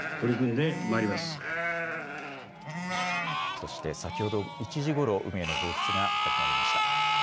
そして先ほど、１時ごろ海への放出が始まりました。